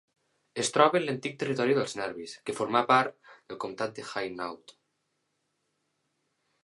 Es troba en l'antic territori dels nervis que formà part del comtat d'Hainaut.